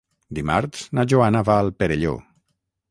Dimarts na Joana va al Perelló.